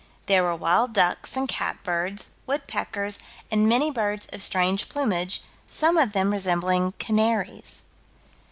There were wild ducks and cat birds, woodpeckers, and "many birds of strange plumage," some of them resembling canaries.